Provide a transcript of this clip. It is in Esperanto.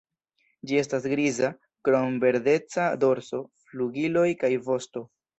Ĝi estas griza, krom verdeca dorso, flugiloj kaj vosto.